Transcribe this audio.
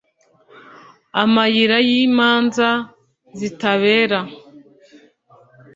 amayira yimanza zitabera